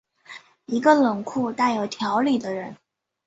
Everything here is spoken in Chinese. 一个冷酷但有条理的人。